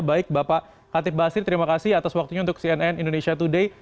baik bapak khatib basir terima kasih atas waktunya untuk cnn indonesia today